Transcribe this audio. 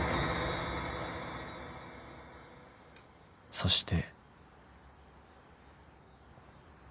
［そして］